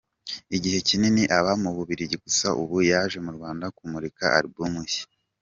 Igihe kinini aba mu Bubiligi gusa ubu yaje mu Rwanda kumurika album nshya.